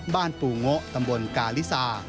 ปู่โงะตำบลกาลิซา